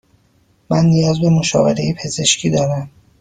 من نیاز به مشاوره پزشکی دارم.